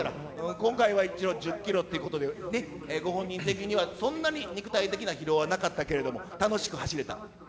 今回は一応１０キロということで、ご本人的には、そんなに肉体的な疲労はなかったけれども、楽しく走れた？